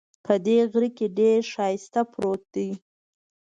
په دې غره کې ډېر ښایست پروت ده